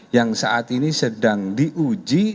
yang saat ini sedang diuji